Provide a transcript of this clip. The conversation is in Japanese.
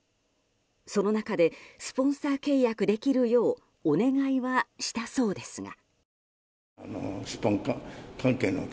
その中でスポンサー契約できるようお願いはしたそうですが。